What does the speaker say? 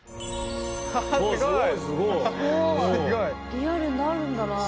リアルになるんだなあ。